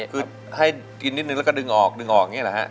คือให้กินนิดนึงแล้วก็ดึงออกดึงออกอย่างนี้เหรอฮะ